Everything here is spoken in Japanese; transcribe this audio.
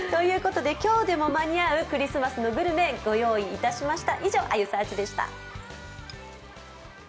今日でも間に合うクリスマスのグルメをご用意しました。